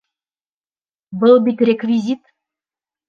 Был бит реквизит!